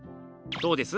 どうです？